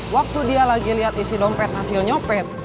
waktu dia lagi lihat isi dompet hasil nyopet